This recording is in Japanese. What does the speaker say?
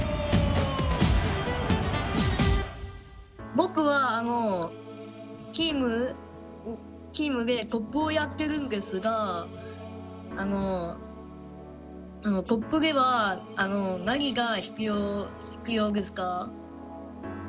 僕はチームでトップをやってるんですがトップでは何が必要ですか？